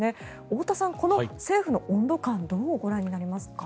太田さん、この政府の温度感どうご覧になりますか？